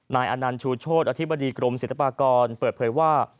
นายอนันต์ชูโชธอธิบดีกรมศิลปากรเปิดเผยว่า